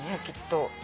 きっと。